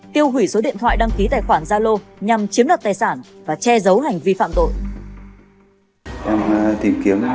tiêu hủy số điện thoại đăng ký tài khoản gia lô nhằm chiếm đoạt tài sản và che giấu hành vi phạm tội